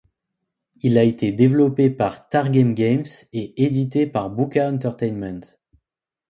Il a été développé par Targem Games et édité par Buka Entertainment.